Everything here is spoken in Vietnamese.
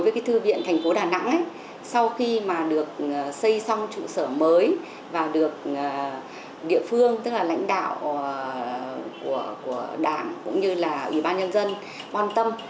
và được xây xong trụ sở mới và được địa phương tức là lãnh đạo của đảng cũng như là ủy ban nhân dân quan tâm